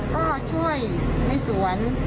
ก็ช่วยในสวน